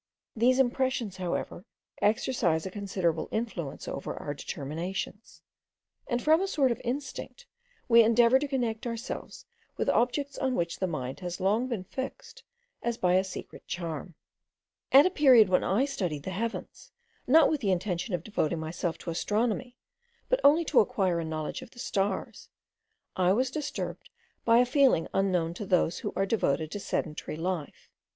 These impressions, however, exercise a considerable influence over our determinations; and from a sort of instinct we endeavour to connect ourselves with objects on which the mind has long been fixed as by a secret charm. At a period when I studied the heavens, not with the intention of devoting myself to astronomy, but only to acquire a knowledge of the stars, I was disturbed by a feeling unknown to those who are devoted to sedentary life.